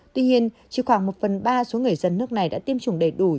tuy nhiên chỉ khoảng một phần ba số người dân nước này đã tiêm chủng đầy đủ